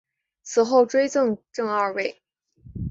死后追赠正二位。